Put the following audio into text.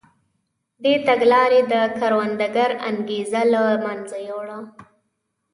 دې تګلارې د کروندګر انګېزه له منځه یووړه.